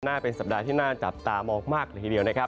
เป็นสัปดาห์ที่น่าจับตามองมากเลยทีเดียวนะครับ